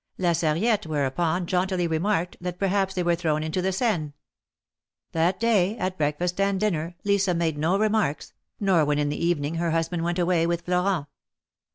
La Sarriette whereupon jauntily remarked that perhaps they were thrown into the Seine. That day at breakfast and dinner Lisa made no remarks, nor when in the evening her husband went away with Florent.